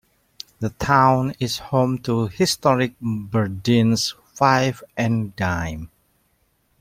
The town is home to historic Berdine's Five and Dime.